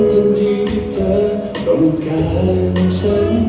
ทันทีที่เธอต้องการเสร็จ